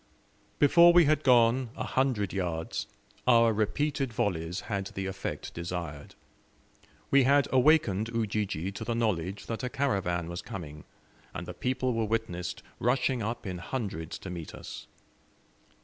Before we had gone a hundred yards our repeated volleys had the effect desired. We had awakened Ujiji to the knowledge that a caravan was coming, and the people were witnessed rushing up in hundreds to meet us.